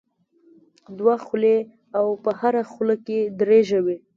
دوه خولې او په هره خوله کې درې ژبې.